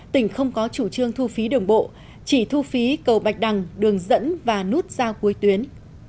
tỉnh không có chủ trương thu phí đường bộ chỉ thu phí cầu bạch đằng đường dẫn và nút giao cuối tuyến